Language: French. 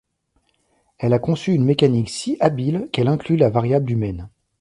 Elle a conçu une mécanique si habile qu’elle inclut la variable humaine.